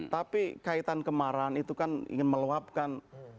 tapi kaitan kemarahan itu kan ingin meluapkan